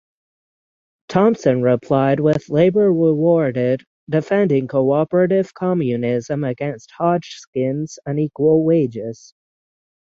Thompson replied with "Labor Rewarded" defending cooperative communism against Hodgskin's unequal wages.